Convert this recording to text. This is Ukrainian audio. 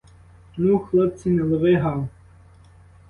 Ну, хлопці, не лови гав!